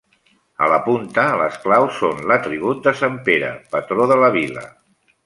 A la punta, les claus són l'atribut de sant Pere, patró de la vila.